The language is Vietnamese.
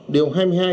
điều hai mươi hai sửa